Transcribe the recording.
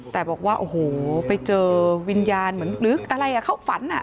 แต่บอกว่าโอ้โหไปเจอวิญญาณเหมือนหรืออะไรเข้าฝัน